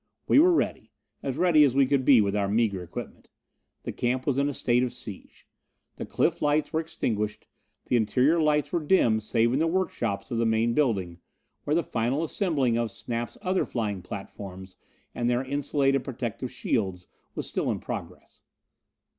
We were ready as ready as we could be with our meager equipment. The camp was in a state of siege. The cliff lights were extinguished: the interior lights were dim, save in the workshops of the main building, where the final assembling of Snap's other flying platforms and their insulated protective shields was still in progress.